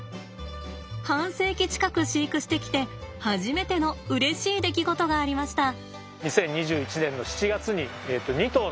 半世紀近く飼育してきて初めてのうれしい出来事がありました。